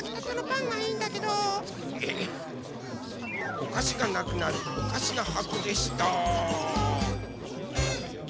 おかしがなくなるおかしなはこでした！